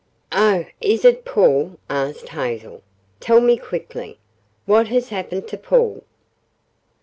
"Oh, is it Paul?" asked Hazel. "Tell me quickly. What has happened to Paul?"